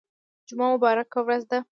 جمعه مبارکه ورځ ده